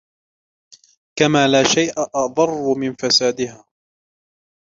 كَمَا لَا شَيْءَ أَضَرُّ مِنْ فَسَادِهَا